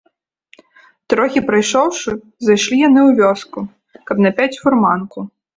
Троху прайшоўшы, зайшлі яны ў вёску, каб напяць фурманку.